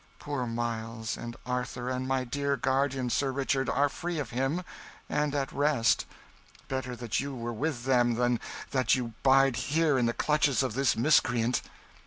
Poor Miles, and Arthur, and my dear guardian, Sir Richard, are free of him, and at rest: better that you were with them than that you bide here in the clutches of this miscreant.